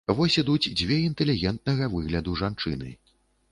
Вось ідуць дзве інтэлігентнага выгляду жанчыны.